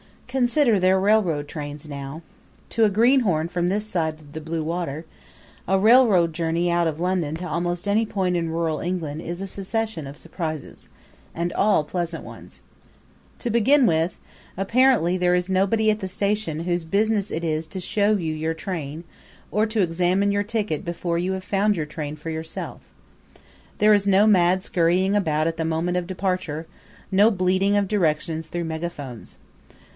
Consider their railroad trains now: To a greenhorn from this side the blue water, a railroad journey out of London to almost any point in rural England is a succession of surprises, and all pleasant ones. To begin with, apparently there is nobody at the station whose business it is to show you to your train or to examine your ticket before you have found your train for yourself. There is no mad scurrying about at the moment of departure, no bleating of directions through megaphones.